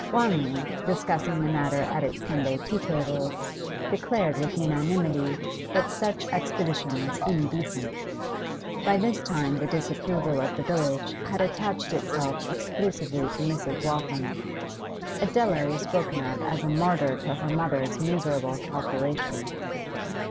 Wanley, discussing the matter at its Sunday tea tables, declared with unanimity that such expedition was indecent. By this time the disapproval of the village had attached itself exclusively to Mrs. Waltham; Adela was spoken of as a martyr to her mother's miserable calculations.